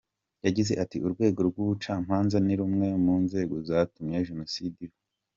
Yagize ati “Urwego rw’ubucamanza ni rumwe mu nzego zatumye Jenoside iba.